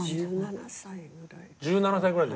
１７歳ぐらい。